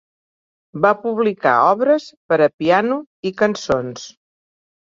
Va publicar obres per a piano i cançons.